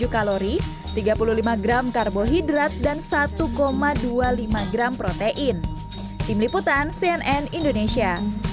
tujuh kalori tiga puluh lima gram karbohidrat dan satu dua puluh lima gram protein tim liputan cnn indonesia